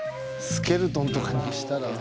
スケルトンとかにしたら？